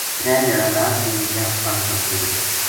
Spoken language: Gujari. ترے دھیاڑا رات دن یاہ پَل بَرہتی رہی